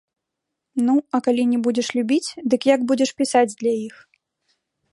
Ну, а калі не будзеш любіць, дык як будзеш пісаць для іх?